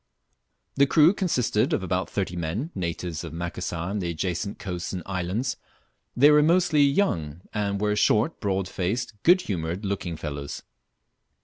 The crew consisted of about thirty men, natives of Macassar and the adjacent coasts and islands. They were mostly young, and were short, broad faced, good humoured looking fellows.